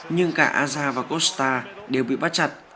nhưng cả aja và costa đều bị bắt chặt